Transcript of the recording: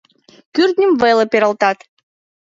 Кӱртньым веле пералтат!..